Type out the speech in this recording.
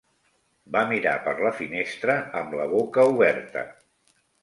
Va mirar per la finestra amb la boca oberta.